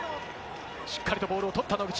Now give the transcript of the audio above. しっかりとボールを取った野口。